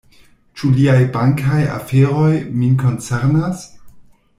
Ĉu liaj bankaj aferoj min koncernas?